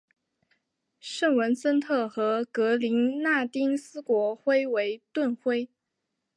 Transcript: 圣文森特和格林纳丁斯国徽为盾徽。